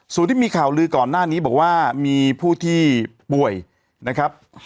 ส่วนที่มีข่าวลือก่อนหน้านี้บอกว่ามีผู้ที่ป่วยนะครับ